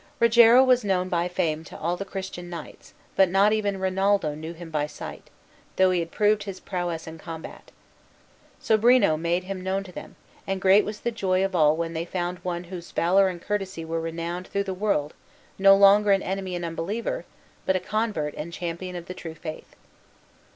Rogero was known by fame to all the Christian knights, but not even Rinaldo knew him by sight, though he had proved his prowess in combat. Sobrino made him known to them, and great was the joy of all when they found one whose valor and courtesy were renowned through the world no longer an enemy and unbeliever, but a convert and champion of the true faith.